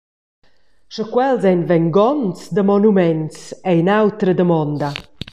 Sche quels ein vengonzs da monuments ei in’autra damonda.